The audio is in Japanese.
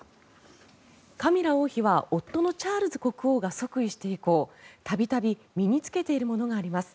カミラ王妃は夫のチャールズ国王が即位して以降度々、身に着けているものがあります。